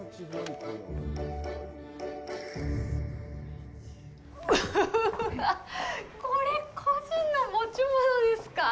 うーわ、これ個人の持ち物ですか！？